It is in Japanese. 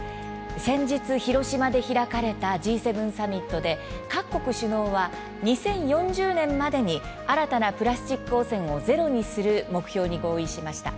先日、広島で開かれたＧ７サミットで、各国首脳は２０４０年までに新たなプラスチック汚染をゼロにする目標に合意しました。